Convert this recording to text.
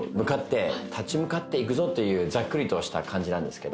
立ち向かっていくぞというざっくりとした感じなんですけど。